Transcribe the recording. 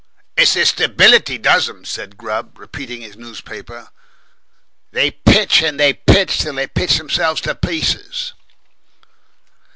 "It's this 'stability' does 'em," said Grubb, repeating his newspaper. "They pitch and they pitch, till they pitch themselves to pieces."